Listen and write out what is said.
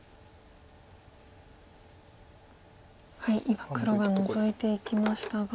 今黒がノゾいていきましたが。